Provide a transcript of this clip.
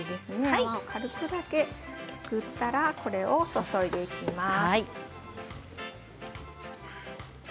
泡を少しすくったらこれを注いでいきます。